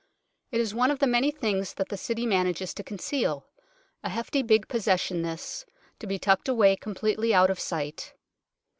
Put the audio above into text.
It is one of the many things that the City manages to conceal ; a hefty big possession this, to be tucked away completely out of sight.